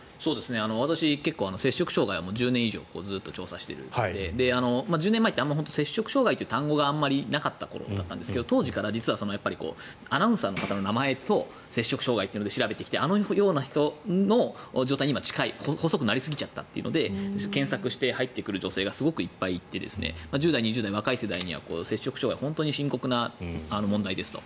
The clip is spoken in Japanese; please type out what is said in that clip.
私、摂食障害を１０年以上調査しているので１０年前ってあまり摂食障害という単語がなかったんですが当時から実はアナウンサーの方の名前と摂食障害というので調べてきてあのような人の状態に今近い、細くなりすぎたというので検索して入ってくる女性がすごくいっぱいいて１０代、２０代若い女性には摂食障害が本当に深刻な問題ですと。